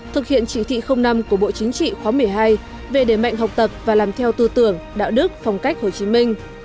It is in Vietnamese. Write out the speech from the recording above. thực hiện chỉ thị năm của bộ chính trị khóa một mươi hai về đề mạnh học tập và làm theo tư tưởng đạo đức phong cách hồ chí minh